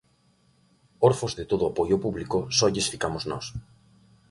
Orfos de todo apoio público, só lles ficamos nós.